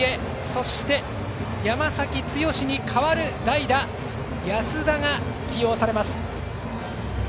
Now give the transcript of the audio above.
そして、山崎剛に代わる代打、安田が起用されます。